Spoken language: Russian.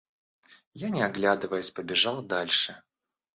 Я, не оглядываясь, побежал дальше.